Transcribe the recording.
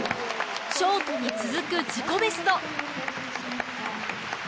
ショートに続く自己ベスト。